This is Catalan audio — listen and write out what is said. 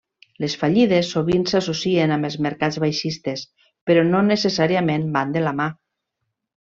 Les fallides sovint s'associen amb els mercats baixistes, però no necessàriament van de la mà.